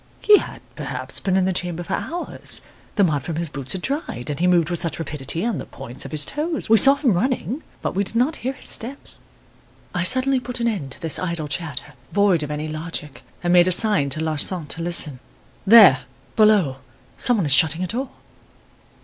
"'He had, perhaps, been in the chamber for hours. The mud from his boots had dried, and he moved with such rapidity on the points of his toes We saw him running, but we did not hear his steps.' "I suddenly put an end to this idle chatter void of any logic, and made a sign to Larsan to listen. "'There below; some one is shutting a door.